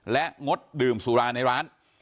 และงดดื่มสุราในร้าน